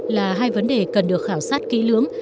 là hai vấn đề cần được khảo sát kỹ lưỡng